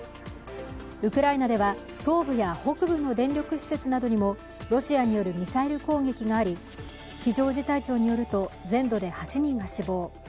ウクライナでは東部や北部の電力施設などにもロシアによるミサイル攻撃があり、非常事態庁によると全土で８人が死亡。